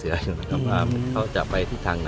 ตอนนี้เจออะไรบ้างครับ